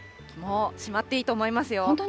もうしまっていいと思いますよ。